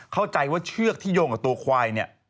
เข้าใจว่าเชือกที่โยงกับตัวควายเนี่ย